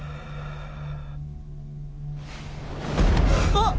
「あっ！」